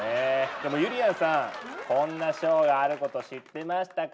でもゆりやんさんこんな賞があること知ってましたか？